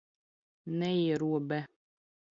Neierobe